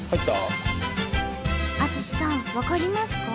淳さん分かりますか？